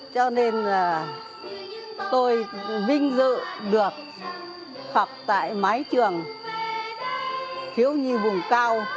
cho nên là tôi vinh dự được học tại mái trường thiếu nhi vùng cao